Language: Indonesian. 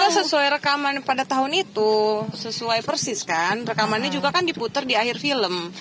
kalau sesuai rekaman pada tahun itu sesuai persis kan rekamannya juga kan diputer di akhir film